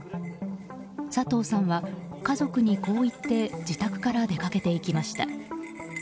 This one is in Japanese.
佐藤さんは家族にこう言って自宅から出かけていきました。